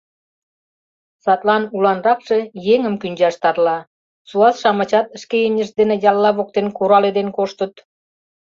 Садлан уланракше еҥым кӱнчаш тарла, суас-шамычат шке имньышт дене ялла воктен кураледен коштыт.